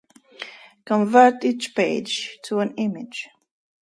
Convert each page to an image